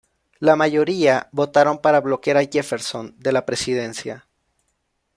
La mayoría votaron para bloquear a Jefferson de la presidencia.